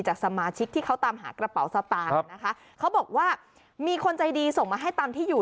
จากสมาชิกที่เขาตามหากระเป๋าสตางค์นะคะเขาบอกว่ามีคนใจดีส่งมาให้ตามที่อยู่